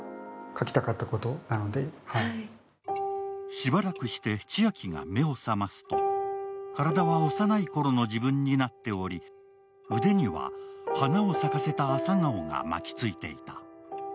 しばらくして千晶が目を覚ますと、体は幼いころの自分になっており腕には花を咲かせた朝顔が巻きついていた。